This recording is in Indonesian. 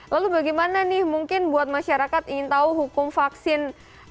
lalu bagaimana nih mungkin buat masyarakat ingin tahu hukum vaksin